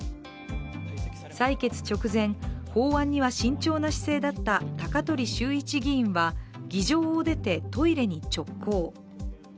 採決直前、法案には慎重な姿勢だった高鳥修一議員は、議場を出てトイレに直行。